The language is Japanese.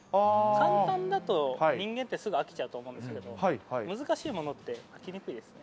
簡単だと人間ってすぐ飽きちゃうと思うんですけど、難しいものって、飽きにくいですね。